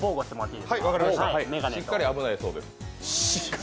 しっかり危ないそうです。